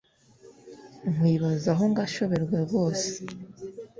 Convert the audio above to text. Nkwibazaho ngashoberwa rwose